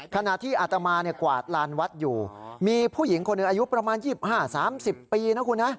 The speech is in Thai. ขณะที่อาตมากวาดลานวัดอยู่มีผู้หญิงคนหนึ่งอายุประมาณ๒๕๓๐ปีนะคุณนะ